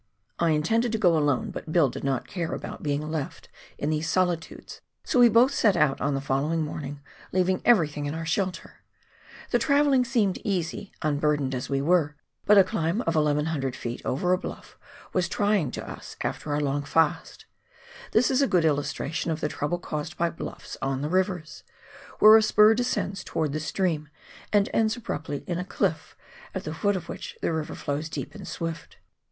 I intended to go alone, but Bill did not care about being left in these solitudes, so we both set out on the following morning, leaving everything in our shelter. The travelling seemed easy — unburdened as we were — but a climb of 1,100 ft. over a bluff was trying to us after our long fast. This is a good illustration of the trouble caused by bluffs on the rivers, where a spur descends towards the stream, and ends abruptly in a cHff, at the foot of which the river flows deep and swift.